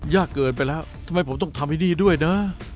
ยากเกินไปแล้วทำไมผมต้องทำให้นี่ด้วยนะ